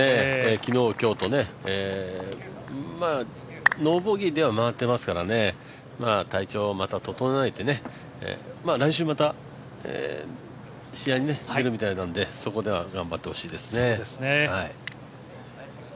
昨日、今日とノーボギーではまわっていますから、体調をまた整えて、来週また試合に出るみたいなんでそこでは頑張ってほしいですね。